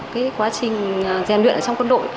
cái quá trình rèn luyện ở trong quân đội